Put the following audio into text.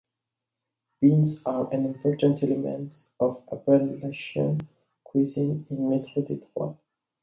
Beans are an important element of Appalachian cuisine in Metro Detroit.